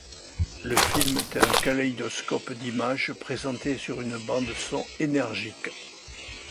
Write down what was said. Le film est un kaléidoscope d'images présentées sur une bande son énergique.